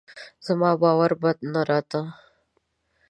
زما باور به نه راته